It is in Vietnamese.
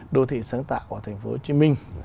đô thị sáng tạo của tp hcm